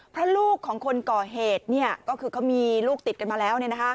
เพราะลูกของคนก่อเหตุก็คือเขามีลูกติดกันมาแล้ว